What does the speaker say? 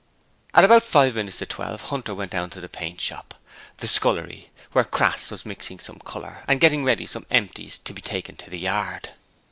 At about five minutes to twelve Hunter went down to the paint shop the scullery where Crass was mixing some colour, and getting ready some 'empties' to be taken to the yard.